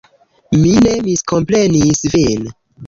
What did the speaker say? Mi ne miskomprenis vin.